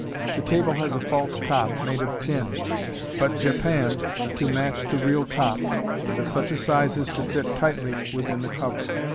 The table has a false top, made of tin, but japanned to match the real top, and .of such a size as to fit tightly \nthin the cover.